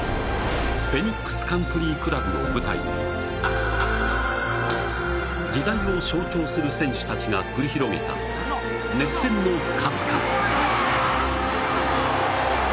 フェニックスカントリークラブを舞台に時代を象徴する選手たちが繰り広げた熱戦の数々。